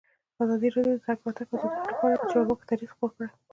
ازادي راډیو د د تګ راتګ ازادي لپاره د چارواکو دریځ خپور کړی.